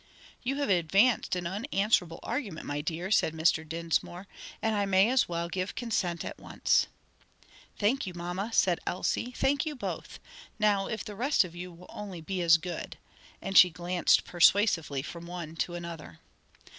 "You have advanced an unanswerable argument, my dear," said Mr. Dinsmore, "and I may as well give consent at once." "Thank you, mamma," said Elsie, "thank you both. Now if the rest of you will only be as good!" and she glanced persuasively from one to another.